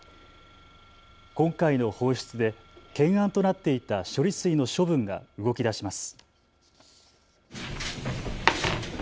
今回の放出で懸案となっていた処理水の処分が動きだします。